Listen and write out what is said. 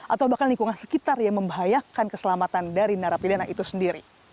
atau bahkan lingkungan sekitar yang membahayakan keselamatan dari narapidana itu sendiri